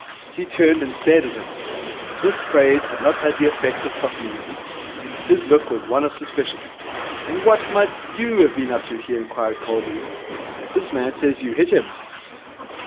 He turned and stared at him. Psmith's praise had not had the effect of softening him. His look was one of suspicion. 'And what might you have been up to?' he inquired coldly. 'This man says you hit him.'